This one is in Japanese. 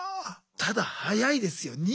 ただ早いですよ。